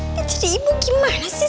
ini jadi ibu gimana sih